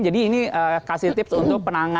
jadi ini kasih tips untuk penanganan gigit